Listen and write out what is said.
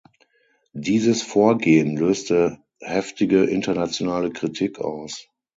Dieses Vorgehen löste heftige internationale Kritik aus.